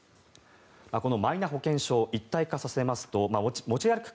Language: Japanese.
このマイナ保険証一体化させますと持ち歩く